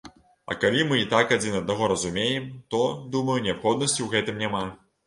А калі мы і так адзін аднаго разумеем, то, думаю, неабходнасці ў гэтым няма.